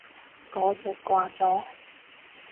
嗰隻掛咗